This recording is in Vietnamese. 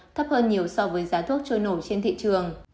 thấp hơn nhiều so với giá thuốc trôi nổi trên thị trường